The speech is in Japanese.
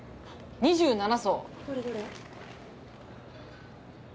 ２７層！